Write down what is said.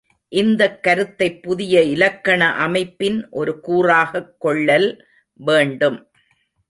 இந்தக் கருத்தைப் புதிய இலக்கண அமைப்பின் ஒரு கூறாகக் கொள்ளல் வேண்டும்.